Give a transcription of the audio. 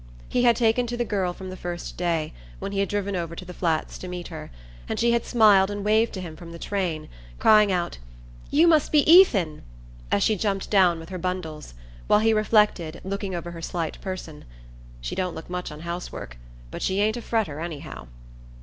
He had taken to the girl from the first day, when he had driven over to the Flats to meet her, and she had smiled and waved to him from the train, crying out, "You must be Ethan!" as she jumped down with her bundles, while he reflected, looking over her slight person: "She don't look much on housework, but she ain't a fretter, anyhow."